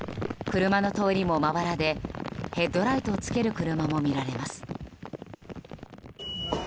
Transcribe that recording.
車の通りもまばらでヘッドライトをつける車も見られます。